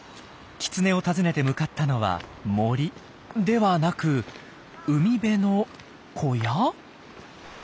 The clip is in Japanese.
キツネを尋ねて向かったのは森ではなく海辺の小屋？